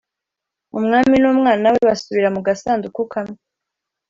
umwami n'umwanna we basubira mu gasanduku kamwe